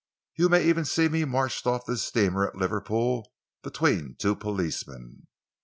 You may even see me marched off this steamer at Liverpool between two policemen."